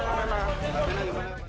fena jawab fena melena